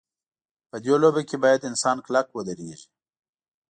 په دې لوبه کې باید انسان کلک ودرېږي.